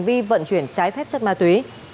đối tượng có hành vi vận chuyển trái phép chất ma túy